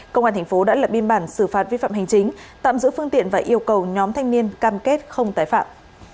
công an thành phố đã lập biên bản xử phạt vi phạm hành chính tạm giữ phương tiện và yêu cầu nhóm thanh niên cam kết không tái phạm